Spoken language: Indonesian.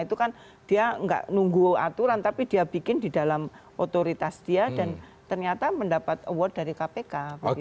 itu kan dia nggak nunggu aturan tapi dia bikin di dalam otoritas dia dan ternyata mendapat award dari kpk